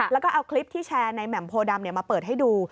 แล้วก็เอาคลิปที่แชร์ในแหม่มโพดำมาเปิดให้ดู